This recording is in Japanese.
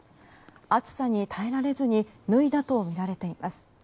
暑さに耐えられずに脱いだとみられています。